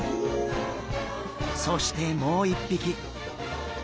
そしてもう一匹。